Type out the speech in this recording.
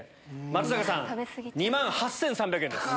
松坂さん２万８３００円です。